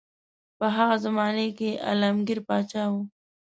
په هغه زمانه کې عالمګیر پاچا وو.